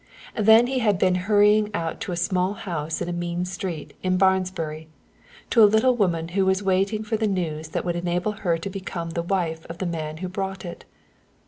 Then he had been hurrying out to a small house in a mean street in Barnsbury, to a little woman who was waiting for the news that would enable her to become the wife of the man who brought it.